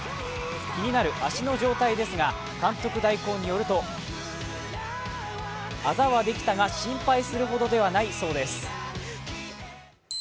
気になる足の状態ですが、監督代行によるとアザはできたが心配するほどではなそうです。